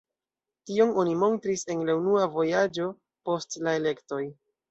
Tion oni montris en la unua vojaĝo post la elektoj.